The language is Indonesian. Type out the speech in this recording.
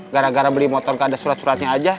gara gara beli motor gak ada surat suratnya aja